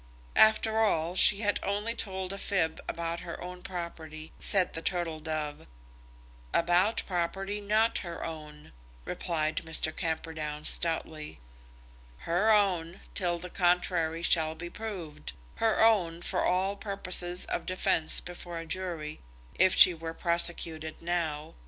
"After all, she has only told a fib about her own property," said the Turtle Dove. "About property not her own," replied Mr. Camperdown stoutly. "Her own, till the contrary shall have been proved; her own, for all purposes of defence before a jury, if she were prosecuted now.